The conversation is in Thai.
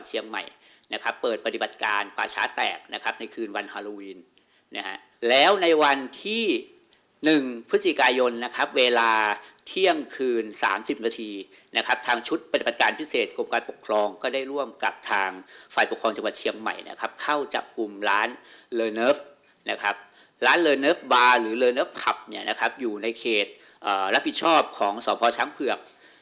เชียงใหม่นะครับเปิดบริบัติการป่าช้าแตกนะครับในคืนวันฮาโลวินนะฮะแล้วในวันที่หนึ่งพฤษีกายนนะครับเวลาเที่ยงคืนสามสิบนาทีนะครับทางชุดบริบัติการพิเศษของการปกครองก็ได้ร่วมกับทางฝ่ายปกครองจังหวัดเชียงใหม่นะครับเข้าจากกลุ่มร้านเลอร์เนิฟนะครับร้านเลอร์เนิฟบาร์หรือ